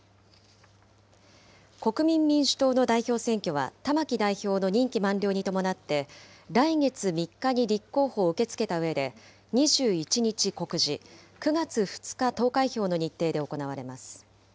国民民主党の代表選挙は玉木代表の任期満了に伴って、来月３日に立候補を受け付けたうえで、２１日告示、９月２日投開票の日程で行われます。